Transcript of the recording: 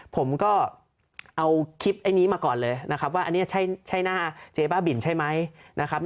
ผมก็เอาคลิปไอ้นี้มาก่อนเลยนะครับว่าอันนี้ใช่หน้าเจ๊บ้าบินใช่ไหมนะครับ